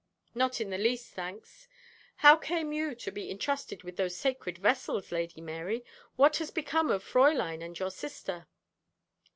'Not in the least, thanks. How came you to be entrusted with those sacred vessels, Lady Mary? What has become of Fräulein and your sister?'